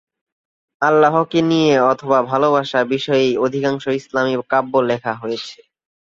আল্লাহকে নিয়ে অথবা ভালবাসা বিষয়েই অধিকাংশ ইসলামি কাব্য লেখা হয়েছে।